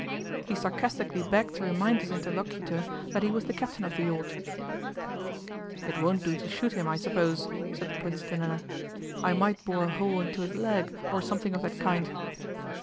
He sarcastically begged to remind his interlocutor that he was the captain of the yacht. 'It won't do to shoot him, I suppose,' said the Prince to Nella. 'I might bore a hole into his leg, or something of that kind.